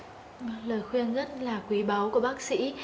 lời khuyên rất là quý báu của bác sĩ